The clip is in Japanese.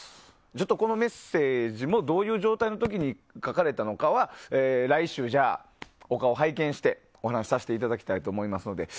ちょっとこのメッセージもどういう状態の時に書かれたのかは来週、お顔を拝見してお話しさせていただきたいと思いますので。